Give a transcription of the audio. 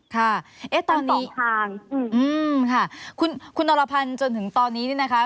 ค่ะเอ๊ะตอนนี้ต้องต่อทางอืมค่ะคุณคุณตรภัณฑ์จนถึงตอนนี้นี่นะคะ